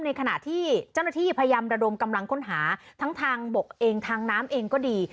ในขณะที่เจ้าหน้าที่พยายามระดมกำลังค้นหาทั้งทางบกเองทางน้ำเองก็ดี